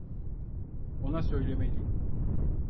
Ona söylemeliyim.